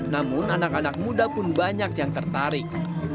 namun anak anak muda pun banyak yang tertarik